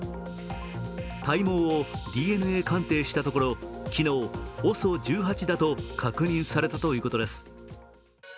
体毛をＤＮＡ鑑定したところ、昨日、ＯＳＯ１８だと確認されたということです。